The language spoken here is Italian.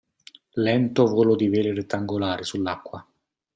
Lento volo di vele rettangolari sull'acqua.